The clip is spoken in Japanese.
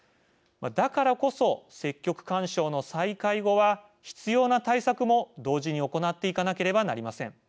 だからこそ、積極勧奨の再開後は必要な対策も同時に行っていかなければなりません。